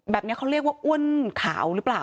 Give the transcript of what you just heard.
แบบนี้เขาเรียกว่าอ้วนขาวหรือเปล่า